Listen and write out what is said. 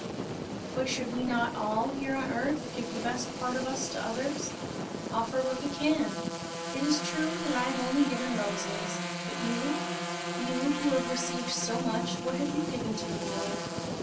"But should we not all, here on earth, give the best part of us to others? Offer what we can! It is true, that I have only given roses but you? You who have received so much, what have you given to the world?